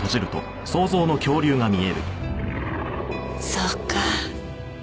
そうか。